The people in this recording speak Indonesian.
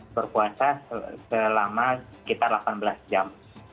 berpuasa selama sekitar delapan belas jam